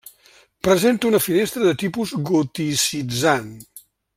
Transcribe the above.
Presenta una finestra de tipus goticitzant.